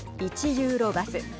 １ユーロバス。